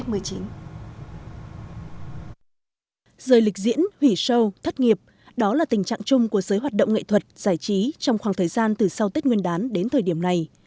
dì lịch diễn hủy show thất nghiệp đó là tình trạng chung của giới hoạt động nghệ thuật giải trí trong khoảng thời gian từ sau tết nguyên đán đến thời điểm này